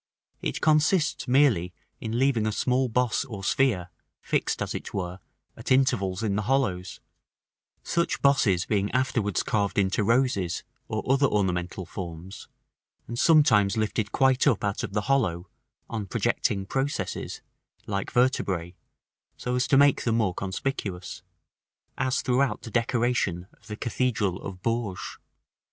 It consists merely in leaving a small boss or sphere, fixed, as it were, at intervals in the hollows; such bosses being afterwards carved into roses, or other ornamental forms, and sometimes lifted quite up out of the hollow, on projecting processes, like vertebræ, so as to make them more conspicuous, as throughout the decoration of the cathedral of Bourges.